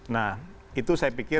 nah itu saya pikir